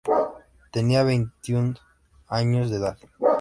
Tenía veintiún años de edad.